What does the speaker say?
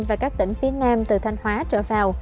và các tỉnh phía nam từ thanh hóa trở vào